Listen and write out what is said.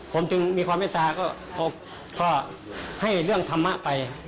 ผมจึงมีความเมตตาก็ให้เรื่องธรรมะไป